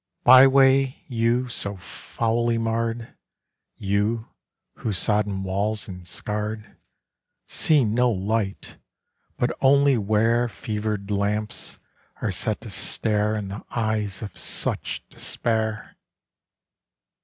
_) Byway, you, so foully marred; You, whose sodden walls and scarred, See no light, but only where Fevered lamps are set to stare In the eyes of such despair!